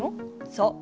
そう。